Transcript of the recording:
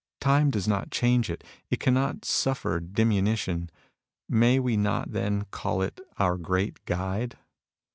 Time does not change it. It cannot suflEer diminution. May we not, then, call it our great Guide